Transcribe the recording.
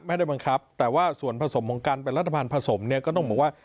ไม่ได้บังคับแต่ว่าส่วนผสมของการเป็นรัฐบาลผสมเนี่ยก็ต้องบอกว่า